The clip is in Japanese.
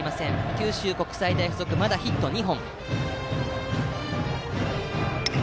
九州国際大付属はまだヒット２本。